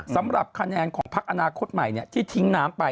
สำหรับคะแนนของพักอนาคตใหม่ที่ทิ้งน้ำไป